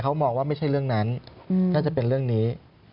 เขามองว่าไม่ใช่เรื่องนั้นน่าจะเป็นเรื่องนี้